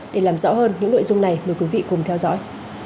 để làm rõ hơn những nội dung này mời quý vị cùng theo dõi